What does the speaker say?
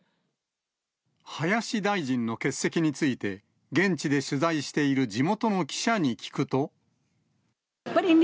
林大臣の欠席について、現地で取材している地元の記者に聞くと。